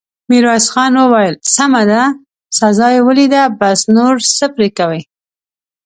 ميرويس خان وويل: سمه ده، سزا يې وليده، بس، نور څه پرې کوې!